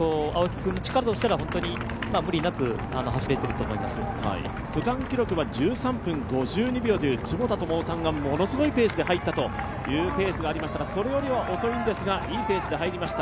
区間記録は区間記録は１３分５２秒という坪田智夫さんがものすごいペースで入ったというペースがありましたがそれよりは遅いんですがいいペースで入りました。